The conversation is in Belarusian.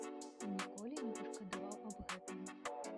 І ніколі не пашкадаваў аб гэтым.